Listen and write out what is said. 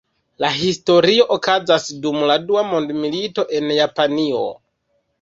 La historio okazas dum la dua mondmilito en Japanio.